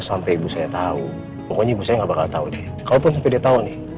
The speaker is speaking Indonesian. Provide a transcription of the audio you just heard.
sampai ibu saya tahu pokoknya ibu saya nggak bakal tahu nih kalaupun sampai dia tahu nih